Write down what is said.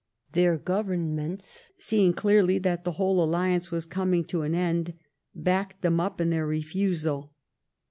Their Governments, seeing clearly that the whole alliance was coming to an end, backed them up in their refusal.